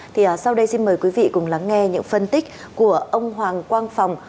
thì sau đây xin mời quý vị cùng lắng nghe những phân tích của ông hoàng quang phòng